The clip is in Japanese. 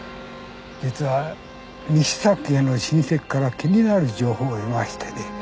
実は西崎家の親戚から気になる情報を得ましてね。